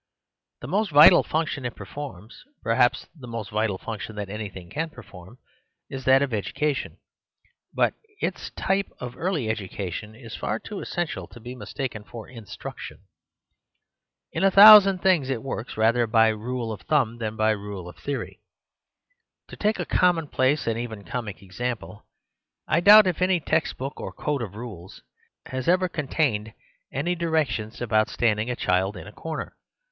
The most vital function it performs, perhaps the most vital function that anything can perform, is that of education ; but its type of early educa ion is far too essential to be mistaken for in struction. In a thousand things it works The Story of the Family 78 rather by rule of thumb than rule of theory. To take a commonplace and even comic ex ample, I doubt if any text book or code of rules has ever contained any directions about standing a child in a corner.